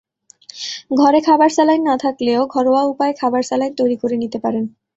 ঘরে খাবার স্যালাইন না থাকলেও ঘরোয়া উপায়ে খাবার স্যালাইন তৈরি করে নিতে পারেন।